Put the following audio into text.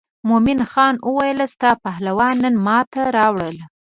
مومن خان وویل ستا پهلوانان نن ما ته راوله.